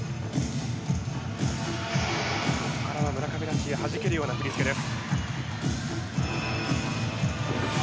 ここからは村上らしいはじけるような振り付けです。